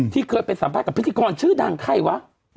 ที่เกิดไปสัมภัยกับพิธีกรชื่อดังใครวะ